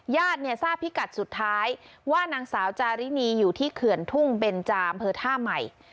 ญาติเนี่ยทราบพิกัดสุดท้ายว่านางสาวจารินีอยู่ที่เขื่อนทุ่งเบนจาอำเภอท่าใหม่